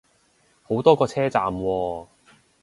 好多個車站喎